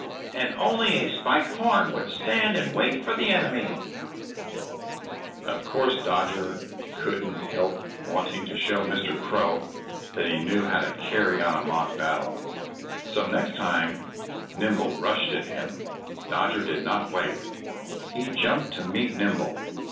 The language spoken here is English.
And only a Spike Horn would stand and wait for the enemy." Of course Dodger couldn't help wanting to show Mr. Crow that he knew how to carry on a mock battle. So the next time Nimble rushed at him Dodger did not wait. He jumped to meet Nimble.